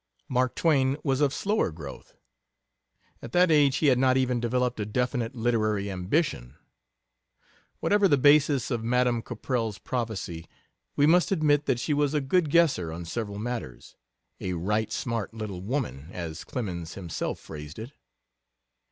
Mark Twain was of slower growth; at that age he had not even developed a definite literary ambition: Whatever the basis of Madame Caprell's prophecy, we must admit that she was a good guesser on several matters, "a right smart little woman," as Clemens himself phrased it.